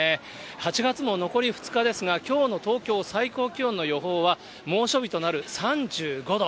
８月も残り２日ですが、きょうの東京、最高気温の予報は、猛暑日となる３５度。